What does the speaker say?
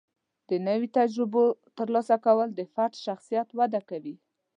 د نوي تجربو ترلاسه کول د فرد شخصیت وده کوي.